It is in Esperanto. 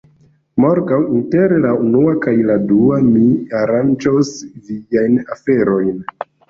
Morgaŭ, inter la unua kaj la dua, mi aranĝos viajn aferojn.